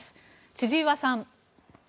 千々岩さん。